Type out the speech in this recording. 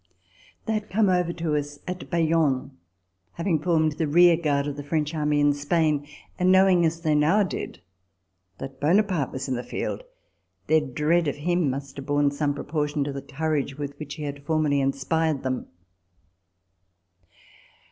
They had come over to us at Bayonne,* having formed the rear guard of the French Army in Spain ; and knowing, as they now did, that Buonaparte was in the field, their dread of him must have borne some proportion to the courage with which he had formerly inspired them.